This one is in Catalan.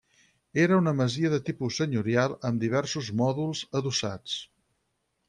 Era una masia de tipus senyorial amb diversos mòduls adossats.